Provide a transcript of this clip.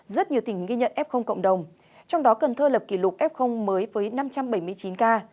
rất nhiều tỉnh ghi nhận f cộng đồng trong đó cần thơ lập kỷ lục f mới với năm trăm bảy mươi chín ca